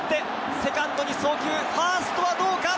セカンドに送球ファーストはどうか？